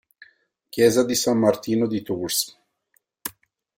Chiesa di San Martino di Tours